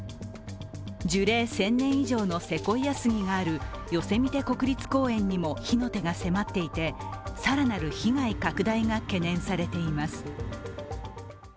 樹齢１０００年以上のセコイヤ杉があるヨセミテ国立公園にも火の手が迫っていて、更なる被害拡大が懸念されています。